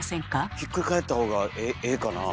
ひっくり返った方がええかなあ。